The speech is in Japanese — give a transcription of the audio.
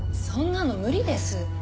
そんなの無理です。